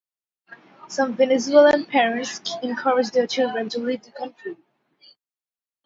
Some Venezuelan parents encourage their children to leave the country.